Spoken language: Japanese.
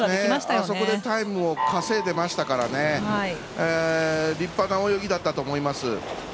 あそこでタイムを稼いでいましたから立派な泳ぎだったと思います。